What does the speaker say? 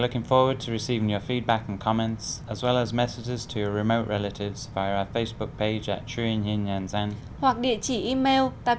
hoặc địa chỉ email tạp chí dn gmail com